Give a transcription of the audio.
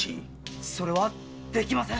それはできません！